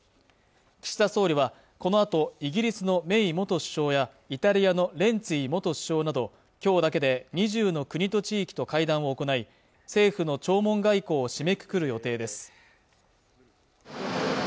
岸田総理はこのあとイギリスのメイ元首相やイタリアのレンツィ元首相など今日だけで２０の国と地域と会談を行い政府の弔問外交を締めくくる予定です